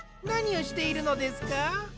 なにをしているのですか？